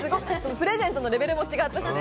プレゼントのレベルも違ったしね。